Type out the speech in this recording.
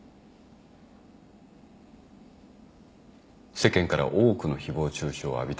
世間から多くの誹謗中傷を浴びた。